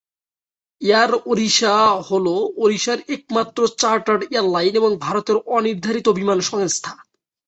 Air Odisha হল ওড়িশার একমাত্র চার্টার্ড এয়ারলাইন এবং ভারতের অ নির্ধারিত বিমান সংস্থা।